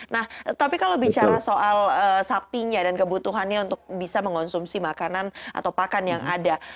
nah tapi kalau bicara soal sapinya dan kebutuhannya untuk bisa mengonsumsi makanan atau pakan yang ada